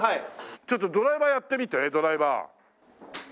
ちょっとドライバーやってみてドライバー。